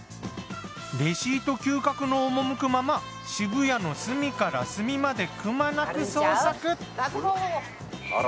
レシート嗅覚のおもむくまま渋谷の隅から隅までくまなく捜索！